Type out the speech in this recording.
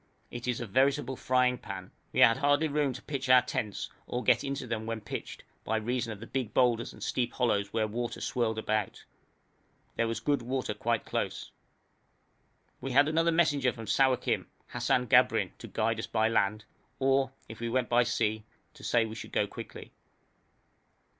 It is a veritable frying pan. We had hardly room to pitch our tents, or to get into them when pitched, by reason of the big boulders and steep hollows where water swirled about. There was good water quite close. We had another messenger from Sawakin, Hassan Gabrin, to guide us by land, or, if we went by sea, to say we should go quickly.